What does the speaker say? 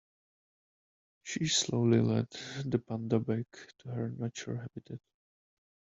She slowly led the panda back to her natural habitat.